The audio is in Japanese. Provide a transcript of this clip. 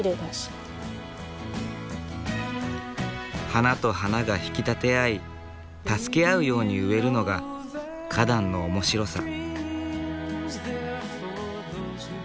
花と花が引き立て合い助け合うように植えるのが花壇の面白さ。